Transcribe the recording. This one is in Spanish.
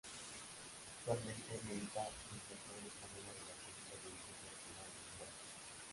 Actualmente milita en Central Español de la Segunda División Profesional de Uruguay.